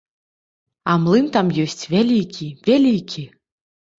А млын там ёсць вялікі, вялікі!